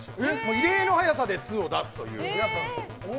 異例の早さで２を出すという。